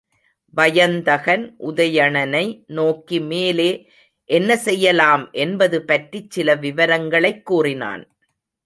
வயந்தகன், உதயணனை நோக்கி மேலே என்ன செய்யலாம் என்பது பற்றிச் சில விவரங்களைக் கூறினான்.